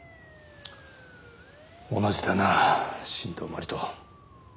同じだな新道真理と。